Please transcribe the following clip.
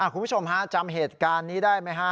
คุณผู้ชมฮะจำเหตุการณ์นี้ได้ไหมฮะ